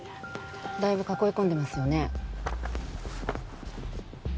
だいぶ囲い込んでますよね